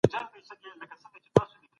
استازي څنګه د روغتیا حق باوري کوي؟